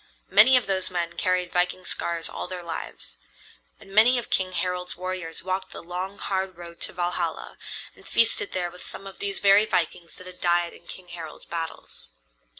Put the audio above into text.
Many of those men carried viking scars all their lives. And many of King Harald's warriors walked the long, hard road to Valhalla, and feasted there with some of these very vikings that had died in King Harald's battles.